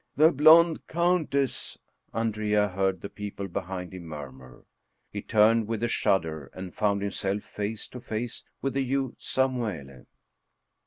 " The blond countess," Andrea heard the people behind him mur mur. He turned with a shudder and found himself face to face with the Jew, Samuele.